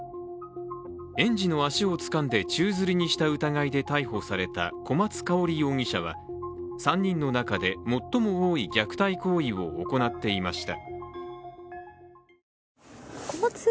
園児の足をつかんで宙づりにした疑いで逮捕された小松香織容疑者は３人の中で最も多い虐待行為を行っていました。